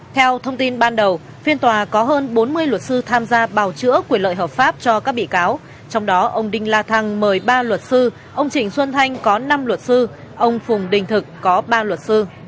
theo thông tin ban đầu phiên tòa có hơn bốn mươi luật sư tham gia bào chữa quyền lợi hợp pháp cho các bị cáo trong đó ông đinh la thăng mời ba luật sư ông trịnh xuân thanh có năm luật sư ông phùng đình thực có ba luật sư